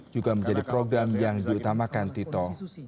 juga menjadi program yang diutamakan tito